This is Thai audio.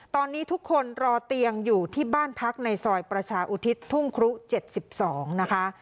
ตอนนี้ทุกคนรอเตียงอยู่ที่บ้านพักในซอยประชาอุทิศทุ่งครุ๗๒นะคะ